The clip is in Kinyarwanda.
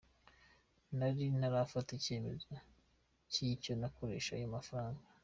Nari ntarafata icyemezo cy’icyo nakoresha ayo mafaranga.